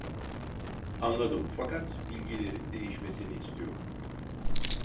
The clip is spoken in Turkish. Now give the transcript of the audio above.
Anladım fakat bilgilerin değişmesini istiyorum